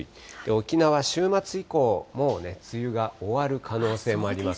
沖縄、週末以降、もうね、梅雨が終わる可能性もあります。